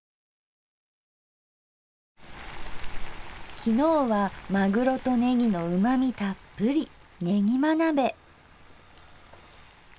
昨日はマグロとネギのうまみたっぷりねぎま鍋。